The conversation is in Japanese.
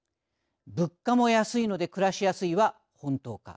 物価も安いので暮らしやすいは本当か。